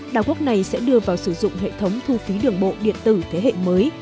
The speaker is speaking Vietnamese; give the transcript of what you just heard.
đảo quốc này sẽ đưa vào sử dụng hệ thống thu phí đường bộ điện tử thế hệ mới